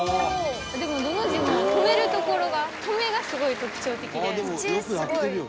でもどの字も止める所が止めがすごい特徴的で。